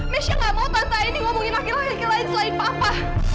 mesya gak mau tante aini ngomongin laki laki lain selain papa